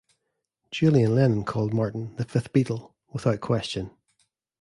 Julian Lennon called Martin "The Fifth Beatle, without question".